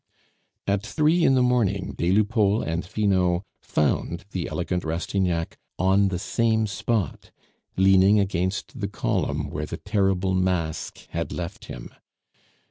At three in the morning des Lupeaulx and Finot found the elegant Rastignac on the same spot, leaning against the column where the terrible mask had left him.